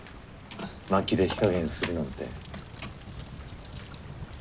薪で火加減するなんて。